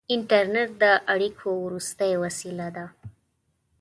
• انټرنېټ د اړیکو وروستۍ وسیله ده.